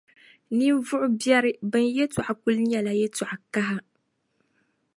ninvuɣ’ biɛri bɛn’ yɛtɔɣa kul nyɛla yɛtɔɣ’ kaha.